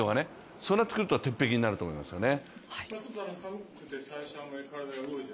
そうなってくると鉄壁になると思いますよね。